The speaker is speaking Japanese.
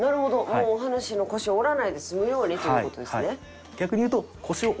もうお話の腰を折らないで済むようにという事ですね。